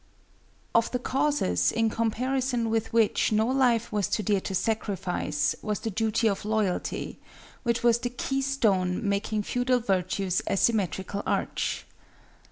Of the causes in comparison with which no life was too dear to sacrifice, was THE DUTY OF LOYALTY, which was the key stone making feudal virtues a symmetrical arch.